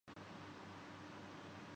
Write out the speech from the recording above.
میں یہاں تم سے بے عزتی کروانے نہیں آیا